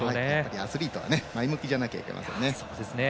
アスリートは前向きじゃないといけないですね。